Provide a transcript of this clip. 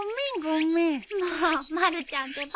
もうまるちゃんってば。